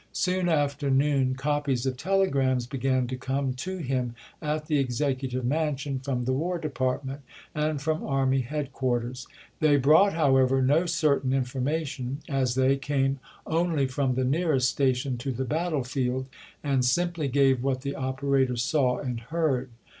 Soon after noon copies of telegi'ams began to come to him at the Executive Mansion from the War Department and from army headquarters. They brought, however, no certain information, as they came only from the nearest station to the battle field, and simply gave what the operator saw and heard.